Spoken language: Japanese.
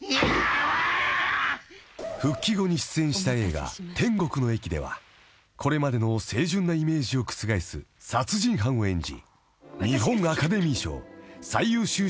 ［復帰後に出演した映画『天国の駅』ではこれまでの清純なイメージを覆す殺人犯を演じ］